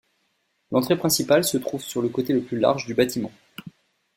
L'entrée principale se trouve sur le côté le plus large du bâtiment.